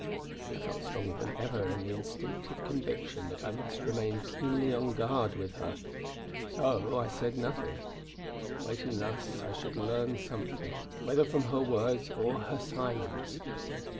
I felt stronger than ever the instinctive conviction that I must remain keenly on guard with her. So I said nothing; waiting thus I should learn something, whether from her words or her silence.